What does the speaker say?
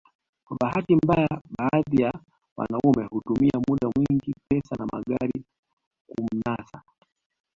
Kwa bahati mbaya baadhi ya wanaume hutumia muda mwingi pesa na magari kumnasa